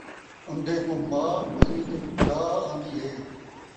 اندھے کوں ماء مسیت ءِچ ٻلھا آندی ہے